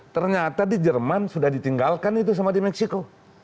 ternyata di jerman sudah ditinggalkan itu sama di meksiko